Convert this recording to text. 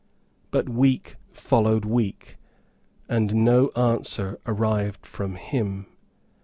But week followed week; and no answer arrived from him.